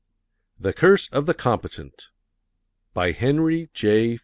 THE CURSE OF THE COMPETENT BY HENRY J.